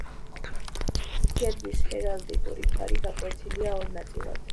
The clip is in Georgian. გერბის ჰერალდიკური ფარი გაკვეთილია ორ ნაწილად.